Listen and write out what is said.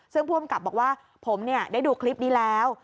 ซึ่งผู้อำกับบอกว่าผมได้ดูคลิปนี้แล้ว